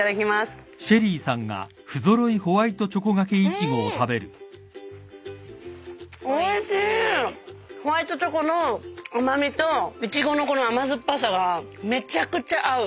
うーん！ホワイトチョコの甘味といちごのこの甘酸っぱさがめちゃくちゃ合う。